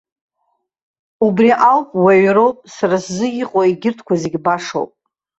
Убри ауп, уаҩроуп, сара сзы иҟоу, егьырҭқәа зегьы башоуп.